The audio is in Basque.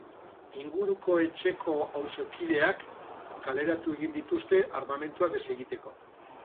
Inguruko etxeko auzokideak kaleratu egin dituzte armamentua desegiteko.